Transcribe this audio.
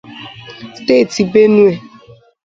steeti Benue